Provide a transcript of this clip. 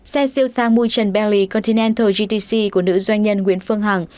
xe siêu sang mùi trần bentley continental gtc của nữ doanh nhân nguyễn phương hằng